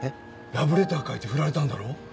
ラブレター書いて振られたんだろ？